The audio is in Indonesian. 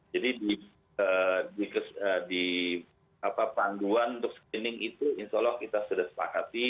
jadi di panduan untuk screening itu insya allah kita sudah sepakati